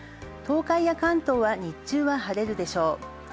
東海や関東は日中は晴れるでしょう。